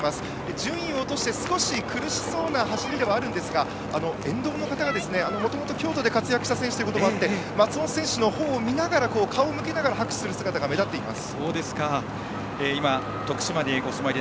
順位を落として苦しそうな走りですが沿道の方が、もともと京都で活躍した選手ということもあって松本選手のほうを見ながら顔を向けながら拍手する姿が目立っています。